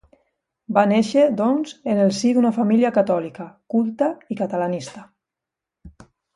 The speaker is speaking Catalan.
Va néixer, doncs, en el si d’una família catòlica, culta i catalanista.